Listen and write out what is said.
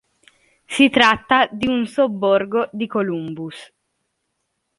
Si tratta di un sobborgo di Columbus.